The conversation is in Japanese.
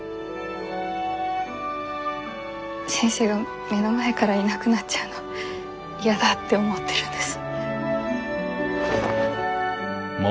先生が目の前からいなくなっちゃうのやだって思ってるんです。